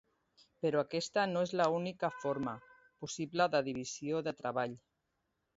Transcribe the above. Però aquesta no és l'única forma possible de divisió del treball.